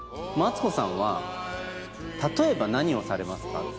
マツコさんは例えば何をされますか？